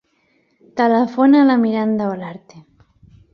Telefona a la Miranda Olarte.